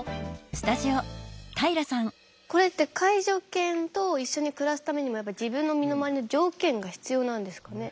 これって介助犬と一緒に暮らすためにもやっぱり自分の身の回りの条件が必要なんですかね？